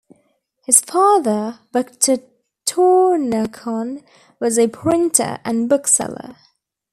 His father, Victor Tournachon, was a printer and bookseller.